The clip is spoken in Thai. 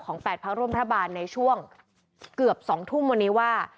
ของ๘พพรรภาบาลในช่วงกับสองทุ่มตอนนี้ว่า